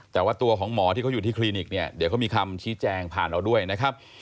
แต่ว่าตัวของหมอที่เขาอยู่ที่คลินิกเนี่ยเดี๋ยวเขามีคำชี้แจงผ่านเราด้วยนะครับ